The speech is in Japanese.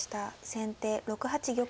先手６八玉。